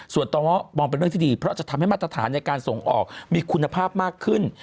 ส่วนต่อม้อมองเป็นเรื่องที่ดีเพราะจะทำให้มาตรฐานในการส่งออกมีคุณภาพมากขึ้น